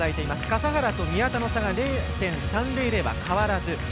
笠原と宮田の差が０．３００は変わらず。